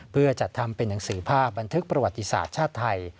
เพื่อจัดทำเป็นหนังสือภาพบันทึกประวัติศาสตร์ชาติไทย